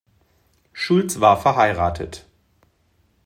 Schulz war verheiratet.